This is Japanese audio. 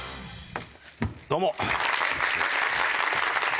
どうも。